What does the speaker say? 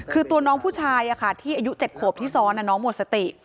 คือตัวน้องผู้ชายที่อายุ๗ขวบที่ซ้อนน้องหมดสติ